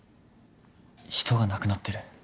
人が亡くなってる。